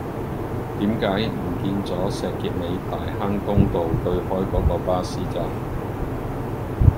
點解唔見左石硤尾大坑東道對開嗰個巴士站